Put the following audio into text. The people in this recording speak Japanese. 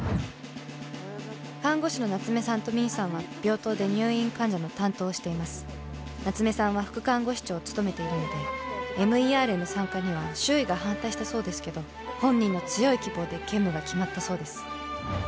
看護師の夏梅さんとミンさんは病棟で入院患者の担当をしています夏梅さんは副看護師長を務めているのでＭＥＲへの参加には周囲が反対したそうですけど本人の強い希望で兼務が決まったそうです